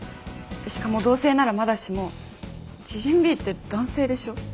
しかも同性ならまだしも知人Ｂって男性でしょ？